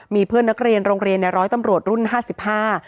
มีเพื่อนนักเรียนโรงเรียนในร้อยตำรวจรุ่นห้าสิบห้า